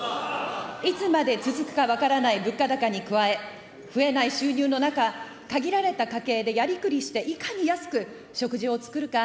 いつまで続くか分からない物価高に加え、増えない収入の中、限られた家計でやりくりして、いかに安く食事を作るか、